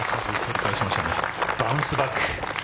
バウンスバック。